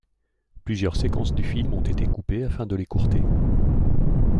Plusieurs séquences du film ont été coupées afin de l'écourter.